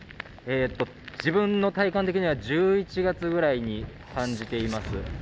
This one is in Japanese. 自分の体感的には１１月ぐらいに感じています。